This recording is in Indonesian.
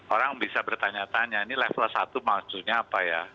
orang bisa bertanya tanya ini level satu maksudnya apa ya